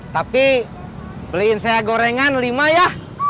tapi beliin saya gorengan lima ya